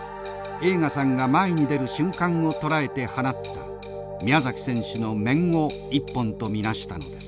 栄花さんが前に出る瞬間をとらえてはなった宮崎選手の面を一本と見なしたのです。